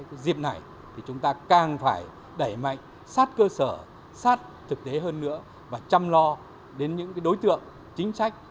cái dịp này thì chúng ta càng phải đẩy mạnh sát cơ sở sát thực tế hơn nữa và chăm lo đến những đối tượng chính sách